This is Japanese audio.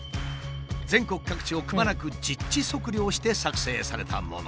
全国各地をくまなく実地測量して作成されたもの。